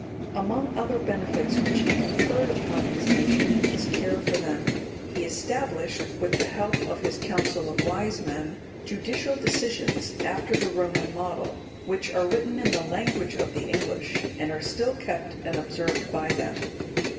Among other benefits which he conferred upon his nation in his care for them, he established, with the help of his council of wise men,(193) judicial decisions, after the Roman model; which are written in the language of the English, and are still kept and observed by them.